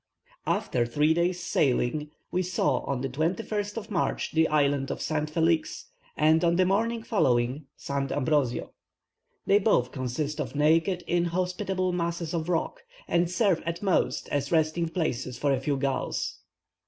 After three days' sailing, we saw, on the 21st March, the island of St. Felix, and on the morning following, St. Ambrosio. They both consist of naked, inhospitable masses of rock, and serve at most as resting places for a few gulls.